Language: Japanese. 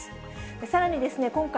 さらに、今回、